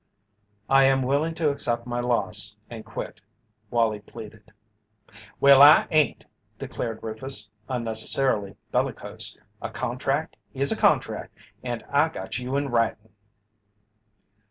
"I am willing to accept my loss and quit," Wallie pleaded. "Well, I ain't!" declared Rufus, unnecessarily bellicose. "A contract is a contract and I got you in writin'."